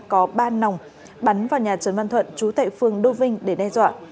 có ba nòng bắn vào nhà trần văn thuận trú tại phường đô vinh để đe dọa